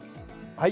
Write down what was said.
はい。